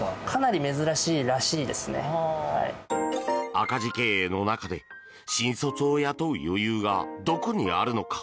赤字経営の中で新卒を雇う余裕がどこにあるのか？